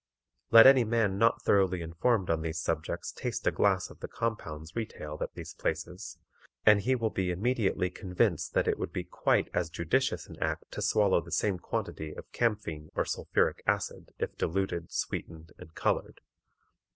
Let any man not thoroughly informed on these subjects taste a glass of the compounds retailed at these places, and he will be immediately convinced that it would be quite as judicious an act to swallow the same quantity of camphene or sulphuric acid if diluted, sweetened, and colored.